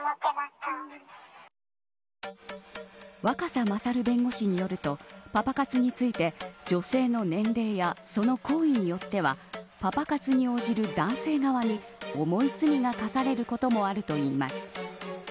若狭勝弁護士によるとパパ活について、女性の年齢やその行為によってはパパ活に応じる男性側に重い罪が科されることもあるといいます。